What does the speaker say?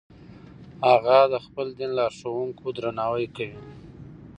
هغه د خپل دین لارښوونکو درناوی کوي.